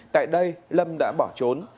tại đây lâm đã bỏ trốn